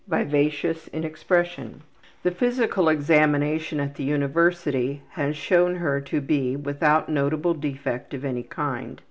Vivacious in expression. The physical examination at the university had shown her to be without notable defect of any kind.